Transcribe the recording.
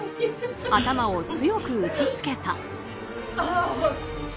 頭を強く打ちつけた。